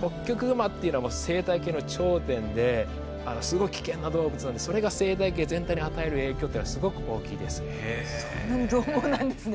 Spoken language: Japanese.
ホッキョクグマっていうのは生態系の頂点ですごい危険な動物なんでそれが生態系全体に与える影響ってのはすごく大きいですね。